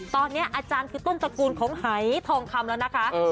ตอนนี้อาจารย์คือต้นตระกูลของหายทองคำแล้วนะคะ